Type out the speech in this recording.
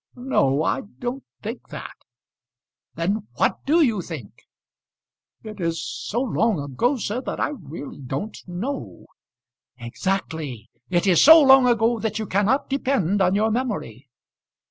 "No, I don't think that." "Then what do you think?" "It is so long ago, sir, that I really don't know." "Exactly. It is so long ago that you cannot depend on your memory."